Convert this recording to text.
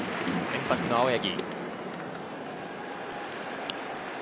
先発の青柳。